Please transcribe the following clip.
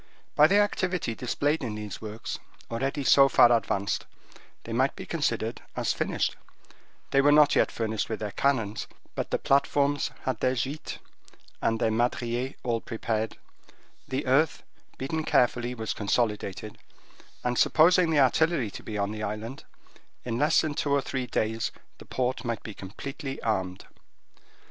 By the activity displayed in these works, already so far advanced, they might be considered as finished: they were not yet furnished with their cannons, but the platforms had their gites and their madriers all prepared; the earth, beaten carefully, was consolidated; and supposing the artillery to be on the island, in less than two or three days the port might be completely armed.